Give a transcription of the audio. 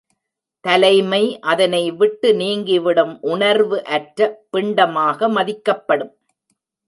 தலைமை அதனை விட்டு நீங்கிவிடும் உணர்வு அற்ற பிண்டமாக மதிக்கப்படும்.